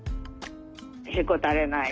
へこたれない